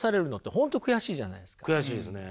悔しいですね。